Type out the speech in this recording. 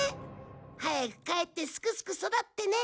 早くかえってすくすく育ってね。